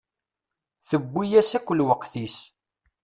Tewwi-as akk lweqt-is.